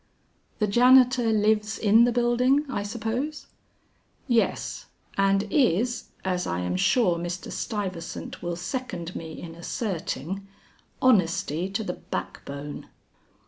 "The janitor lives in the building, I suppose?" "Yes, and is, as I am sure Mr. Stuyvesant will second me in asserting, honesty to the back bone."